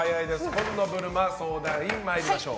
紺野ぶるま相談員参りましょう。